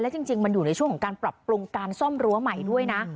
และจริงอยู่ในช่วงลองผลักปรุงการส้อมรั้วใหม่ด้วย